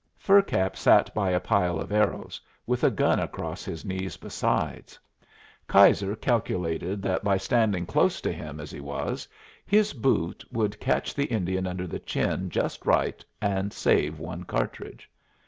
Fur Cap sat by a pile of arrows, with a gun across his knees besides. Keyser calculated that by standing close to him as he was, his boot would catch the Indian under the chin just right, and save one cartridge.